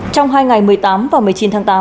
trong hai ngày một mươi tám và một mươi chín tháng tám